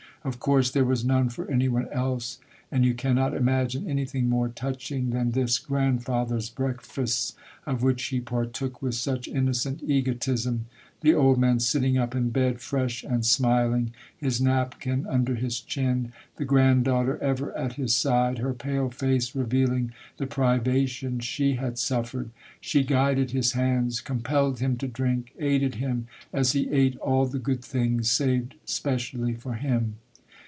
Of course there was none for any one else, and you cannot imagine anything more touching than this grand father's breakfasts of which he partook with such innocent egotism, the old man sitting up in bed, fresh and smiling, his napkin under his chin, the granddaughter ever at his side, her pale face re vealing the privation she had suffered ; she guided his hands, compelled him to drink, aided him as he ate all the good things saved specially for him.